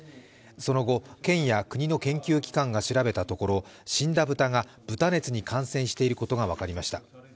その後、県や国の研究機関が調べたところ死んだ豚が豚熱に感染していることが分かりました。